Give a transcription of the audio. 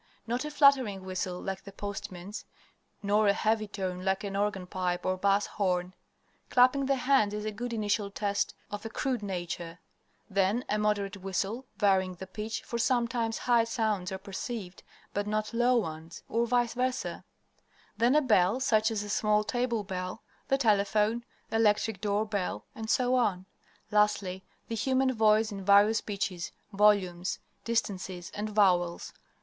Not a fluttering whistle like the postman's, nor a heavy tone like an organ pipe or bass horn. Clapping the hands is a good initial test of a crude nature; then a moderate whistle, varying the pitch, for sometimes high sounds are perceived, but not low ones, or vice versa. Then a bell, such as a small table bell, the telephone, electric door bell, etc. Lastly, the human voice in various pitches, volumes, distances, and vowels.